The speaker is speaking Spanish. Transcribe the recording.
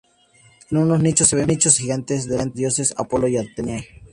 En unos nichos se ven figuras gigantescas de los dioses Apolo y Atenea.